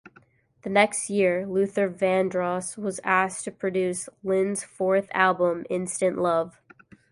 The next year, Luther Vandross was asked to produce Lynn's fourth album, "Instant Love".